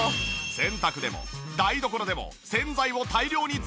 洗濯でも台所でも洗剤を大量に使いまくっていた。